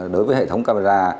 đối với hệ thống camera